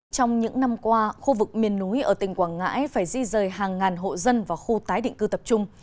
trong những năm qua khu vực miền núi ở tỉnh quảng ngãi phải di rời hàng ngàn hộ dân vào khu tái định cư tập trung